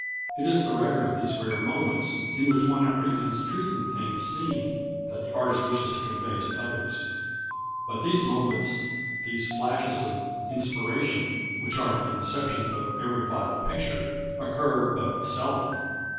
It is the record of these rare moments in which one apprehends truth in things seen that the artist wishes to convey to others. But these moments, these flashes of inspiration which are at the inception of every vital picture, occur but seldom.